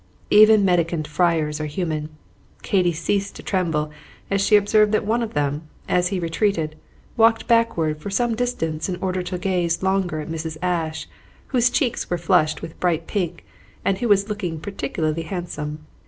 Even mendicant friars are human. Katy ceased to tremble as she observed that one of them, as he retreated, walked backward for some distance in order to gaze longer at Mrs. Ashe, whose cheeks were flushed with bright pink and who was looking particularly handsome.